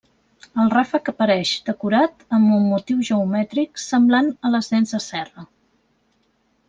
El ràfec apareix decorat amb un motiu geomètric semblant a les dents de serra.